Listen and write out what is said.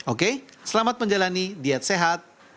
oke selamat menjalani diet sehat